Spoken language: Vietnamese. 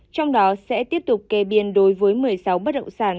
trong đó sẽ tiếp tục kê biên đối với một mươi sáu bất động sản